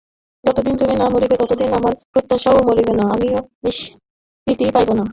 যতদিন তুমি না মরিবে, ততদিন আমার প্রত্যাশাও মরিবে না–আমিও নিষ্কৃতি পাইব না।